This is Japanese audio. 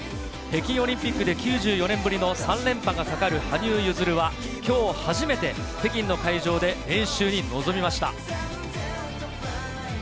北京オリンピックで９４年ぶりの３連覇が懸かる羽生結弦は今日初めて北京の会場で練習に臨みました。